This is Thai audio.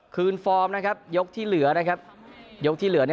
ฟอร์มนะครับยกที่เหลือนะครับยกที่เหลือ